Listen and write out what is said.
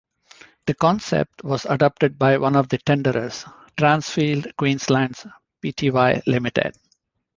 The concept was adopted by one of the tenderers - Transfield Queensland Pty.Ltd.